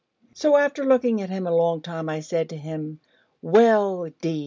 So, after looking at him a long time, I said to him: 'Well, D.